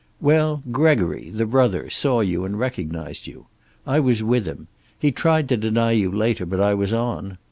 "Well, Gregory, the brother, saw you and recognized you. I was with him. He tried to deny you later, but I was on.